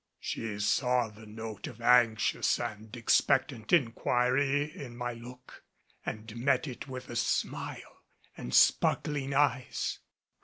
She saw the note of anxious and expectant inquiry in my look and met it with a smile and sparkling eyes.